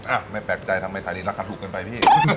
อ้าไม่แปลกใจทำไมสายลินราคาถูกกันไปพี่